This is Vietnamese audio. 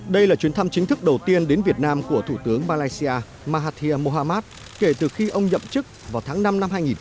đây là chuyến thăm chính thức đầu tiên đến việt nam của thủ tướng malaysia mahathir mohamad kể từ khi ông nhậm chức vào tháng năm năm hai nghìn một mươi ba